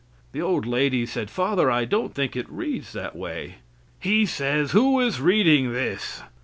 The old lady said, "Father, I don't think it reads that way." He says, "Who is reading this?"